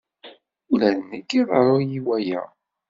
Ula d nekk iḍerru-iyi waya.